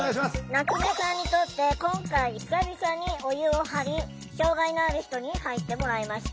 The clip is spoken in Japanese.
夏目さんにとって今回久々にお湯を張り障害のある人に入ってもらいました。